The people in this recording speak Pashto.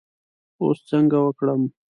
اوس څنګه وکړم.